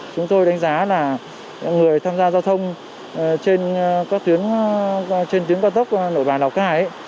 chúng tôi đánh giá là người tham gia giao thông trên tuyến cao tốc nội bà nọc cải